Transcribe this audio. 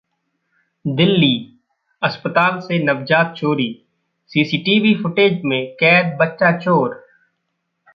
दिल्लीः अस्पताल से नवजात चोरी, सीसीटीवी फुटेज में कैद बच्चा चोर